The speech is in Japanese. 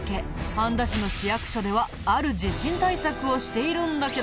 半田市の市役所ではある地震対策をしているんだけど。